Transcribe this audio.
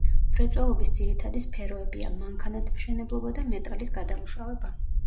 მრეწველობის ძირითადი სფეროებია: მანქანათმშენებლობა და მეტალის გადამუშავება.